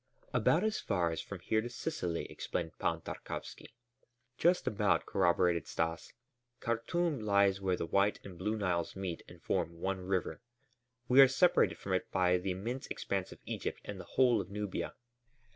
"About as far as from here to Sicily," explained Pan Tarkowski. "Just about," corroborated Stas. "Khartûm lies where the White and Blue Niles meet and form one river. We are separated from it by the immense expanse of Egypt and the whole of Nubia."